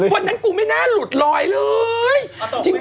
วันนั้นกูไม่น่าหลุดลอยเลย